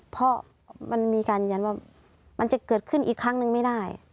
เพราะมันมีการยืนยันว่ามันจะเกิดขึ้นอีกครั้งนึงไม่ได้